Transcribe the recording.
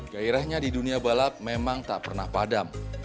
gairahnya di dunia balap memang tak pernah padam